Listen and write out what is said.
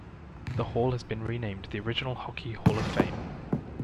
The hall has been renamed the Original Hockey Hall of Fame.